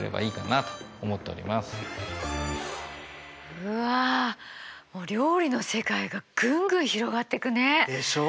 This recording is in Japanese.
うわ料理の世界がぐんぐん広がっていくね。でしょう？